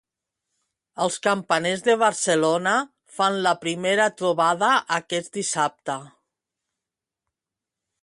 Els campaners de Barcelona fan la primera trobada aquest dissabte.